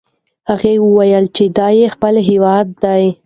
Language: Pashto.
هغه وویل چې دا یې خپل هیواد دی.